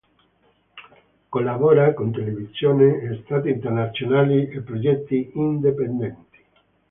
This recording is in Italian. Collabora con televisioni e testate internazionali e progetti indipendenti.